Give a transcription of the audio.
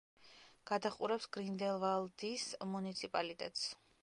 გადაჰყურებს გრინდელვალდის მუნიციპალიტეტს.